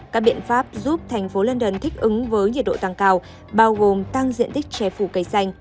các biện pháp giúp thành phố london thích ứng với nhiệt độ tăng cao bao gồm tăng diện tích chè phù cây xanh